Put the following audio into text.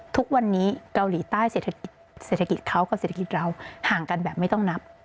ทุกวันนี้เกาหลีใต้เศรษฐกิจเขากับเศรษฐกิจเราห่างกันแบบไม่ต้องนับ